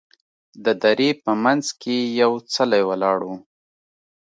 د درې په منځ کې یې یو څلی ولاړ و.